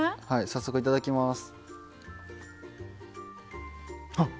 早速いただきます。